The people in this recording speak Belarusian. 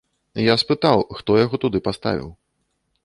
Я спытаў, хто яго туды паставіў.